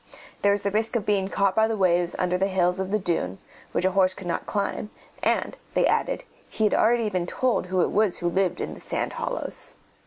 There was risk of being caught by the waves under the hills of the dune, which a horse could not climb, and, they added, he had already been told who it was who lived in the sand hollows.